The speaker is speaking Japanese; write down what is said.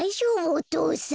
お父さん。